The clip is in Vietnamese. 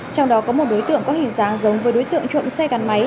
trong đó có một đối tượng có hình dáng giống với đối tượng trộm xe gắn máy